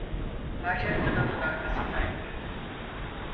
Hacer kadının arkasından yürüdü.